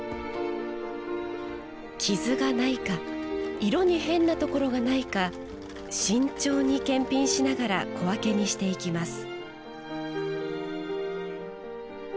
傷が無いか色に変なところが無いか慎重に検品しながら小分けにしていきます。